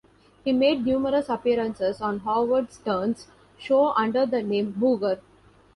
He made numerous appearances on Howard Stern's show under the name Booger.